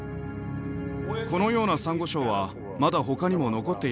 このようなサンゴ礁はまだ他にも残っていますか？